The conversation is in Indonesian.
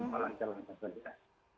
kalau di indonesia tidak ada